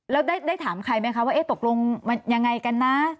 แล้วได้ถามใครไหมคะว่าตกลงมันยังไงกันนะ